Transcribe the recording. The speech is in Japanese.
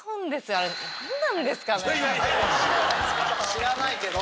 知らないけど。